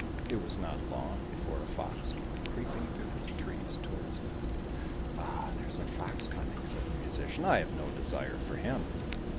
It was not long before a fox came creeping through the trees towards him. "Ah, there's a fox coming!" said the musician. "I have no desire for him."